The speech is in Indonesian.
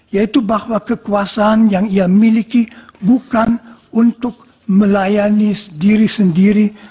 yaitu bahwa kekuasaan yang ia miliki bukan untuk melayani diri sendiri